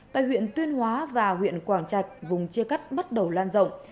tại huyện tuyên hóa và huyện quảng trạch vùng chia cắt bắt đầu lan rộng